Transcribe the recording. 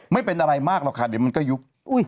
ไม่เป็นอะไรมากหรอกค่ะเดี๋ยวมันก็ยุบ